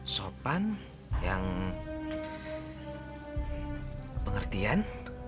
sopan yang pengertian